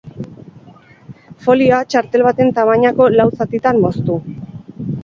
Folioa txartel baten tamainako lau zatitan moztu.